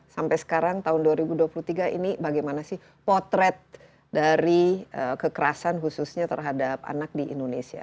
sampai sekarang tahun dua ribu dua puluh tiga ini bagaimana sih potret dari kekerasan khususnya terhadap anak di indonesia